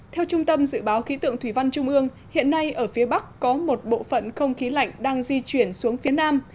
theo trung tâm dự báo khí tượng thủy văn trung ương hiện nay ở phía bắc có một bộ phận không khí lạnh đang di chuyển xuống phía nam